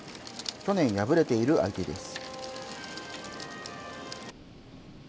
去年敗れている相手です。